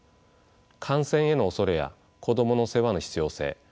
感染への恐れや子供の世話の必要性